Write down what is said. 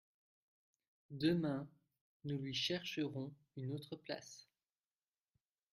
Demain, nous lui chercherons une autre place.